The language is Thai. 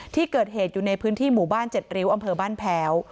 ที่เกิดเหตุอยู่ในพื้นที่หมู่บ้าน๗ริ้วอำเภอบ้านแพ้ว